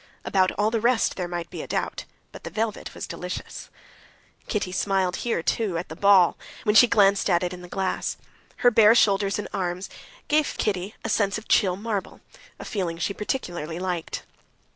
About all the rest there might be a doubt, but the velvet was delicious. Kitty smiled here too, at the ball, when she glanced at it in the glass. Her bare shoulders and arms gave Kitty a sense of chill marble, a feeling she particularly liked.